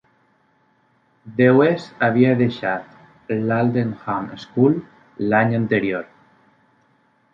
Dewes havia deixat l'Aldenham School l'any anterior.